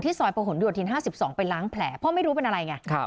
ที่ซอยประหลดดูดทีนห้าสิบสองไปล้างแผลเพราะไม่รู้เป็นอะไรไง